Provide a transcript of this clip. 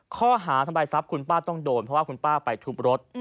ข้อหาทำลายทรัพย์คุณป้าต้องโดนเพราะว่าคุณป้าไปทุบรถ